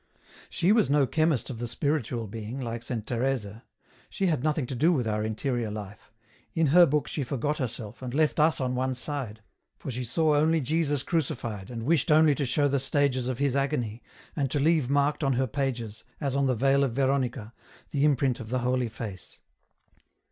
She was no chemist of the spiritual being, like Saint Teresa ; she had nothing to do with our interior life ; in her book she forgot herself, and left us on one side, for she saw only Jesus crucified, and wished only to show the stages of His agony, and to leave marked on her pages, as on the veil of Veronica, the imprint of the Holy Face.